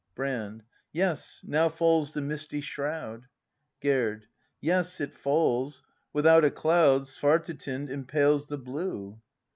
Brand. Yes, now falls the misty shroud. Gerd. Yes, it falls: without a cloud Svartetind impales the blue!